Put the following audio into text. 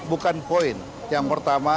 bukan poin yang pertama